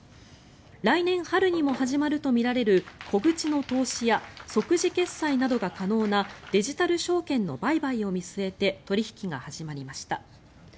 来年春にも始まるとみられる小口の投資や即時決済などが可能なデジタル証券の売買を見据えて取引が始まりました。